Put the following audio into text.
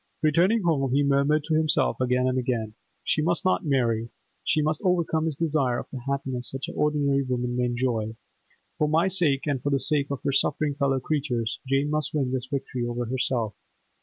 Returning home, he murmured to himself again and again, 'She must not marry. She must overcome this desire of a happiness such as ordinary women may enjoy. For my sake, and for the sake of her suffering fellow creatures, Jane must win this victory over herself.